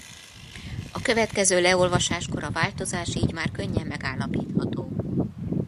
A következő leolvasáskor a változás így már könnyen megállapítható.